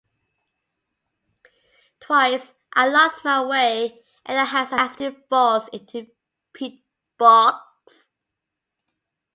Twice I lost my way, and I had some nasty falls into peat-bogs.